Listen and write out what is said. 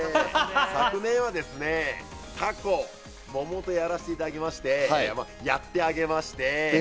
昨年は、タコ、桃とやらせていただいて、やってあげまして。